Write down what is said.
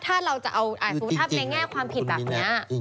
ถ้าเราจะเอาอ่านสู้ทัพในแง่ความผิดภาพนี้